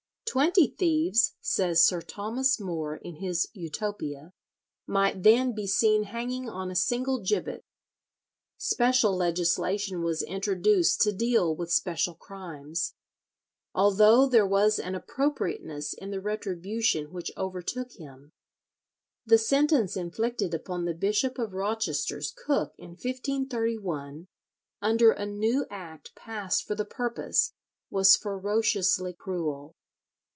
Twenty thieves, says Sir Thomas More in his "Utopia," might then be seen hanging on a single gibbet. Special legislation was introduced to deal with special crimes. Although there was an appropriateness in the retribution which overtook him, the sentence inflicted upon the Bishop of Rochester's cook in 1531, under a new act passed for the purpose, was ferociously cruel.